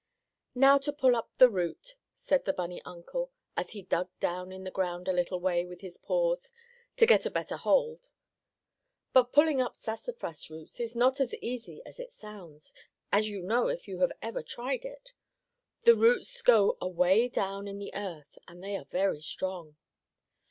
"Now to pull up the root," said the bunny uncle, as he dug down in the ground a little way with his paws, to get a better hold. But pulling up sassafras roots is not as easy as it sounds, as you know if you have ever tried it. The roots go away down in the earth, and they are very strong.